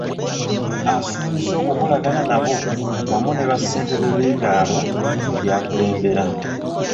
Asuubizza okukolagana n’abo, wamu ne bassentebe b’ebyalo by’akulembera.